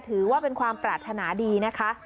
ถือว่าเป็นความปรารถนาดีนะคะ